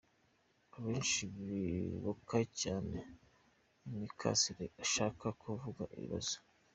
Abenshi bibuka cyane ‘imikasiro’ ashaka kuvuga ‘ibibazo’.